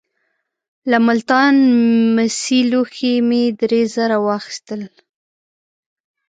له ملتان مسي لوښي مې درې زره واخیستل.